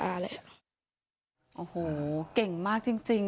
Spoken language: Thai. โอ้โหเก่งมากจริง